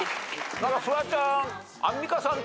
何かフワちゃん。